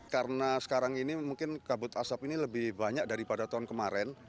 karena sekarang ini mungkin kabut asap ini lebih banyak daripada tahun kemarin